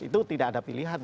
itu tidak ada pilihan